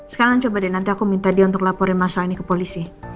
sekarang coba deh nanti aku minta dia untuk laporin masalah ini ke polisi